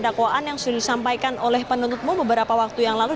dakwaan yang sudah disampaikan oleh penuntut umum beberapa waktu yang lalu